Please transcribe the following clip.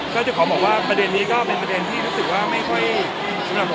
พอบอกว่าเกิดเนี่ยนะครับ